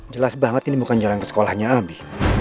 jelas banget ini bukan jalan ke sekolahnya ambi